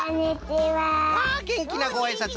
わあげんきなごあいさつ